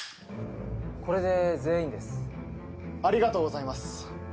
これで全員ですありがとうございます